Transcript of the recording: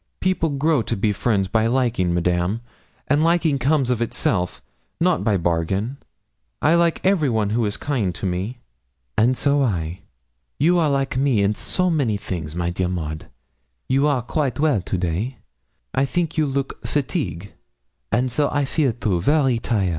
'People grow to be friends by liking, Madame, and liking comes of itself, not by bargain; I like every one who is kind to me.' 'And so I. You are like me in so many things, my dear Maud! Are you quaite well to day? I think you look fateague; so I feel, too, vary tire.